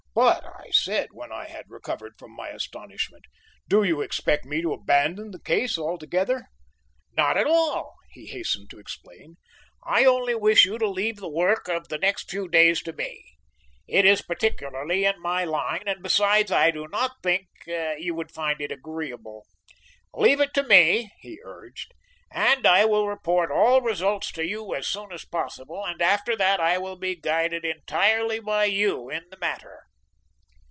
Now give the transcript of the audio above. "But," I said, when I had recovered from my astonishment, "do you expect me to abandon the case altogether?" "Not at all," he hastened to explain; "I only wish you to leave the work of the next few days to me. It is peculiarly in my line, and besides I do not think you would find it agreeable. Leave it to me," he urged, "and I will report all results to you as soon as possible, and after that I will be guided entirely by you in the matter."